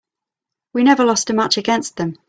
We never lost a match against them.